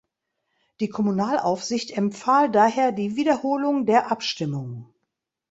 Die Kommunalaufsicht empfahl daher die Wiederholung der Abstimmung.